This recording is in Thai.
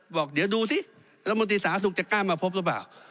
บอกเดี๋ยวดูสิละมดิสาศุกร์จะกล้ามาพบหรือเปล่า